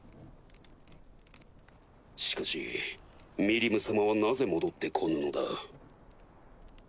しかしミリム様はなぜ戻って来ぬのだ。